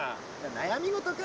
悩み事か？